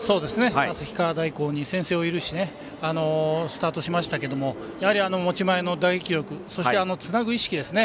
旭川大に先制を許しスタートしましたけども持ち前の打撃力そしてつなぐ意識ですね。